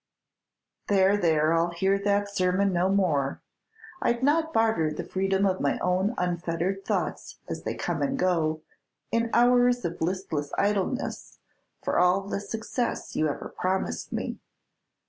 "There, there, I'll hear that sermon no more. I'd not barter the freedom of my own unfettered thoughts, as they come and go, in hours of listless idleness, for all the success you ever promised me.